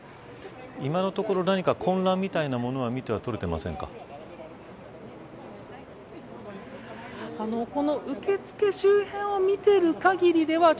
今のところ何か混乱みたいなものは見て続いて現場の様子